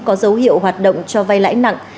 có dấu hiệu hoạt động cho vay lãi nặng